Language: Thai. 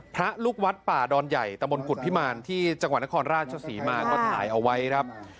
พระลูกวัดป่าดอนใหญ่ตะบนกุฎพิมารที่จังหวัดนครราชศรีมาก็ถ่ายเอาไว้ครับ